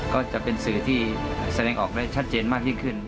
ก็จะเป็นสื่อที่แสดงออกได้ชัดเจนมากยิ่งขึ้น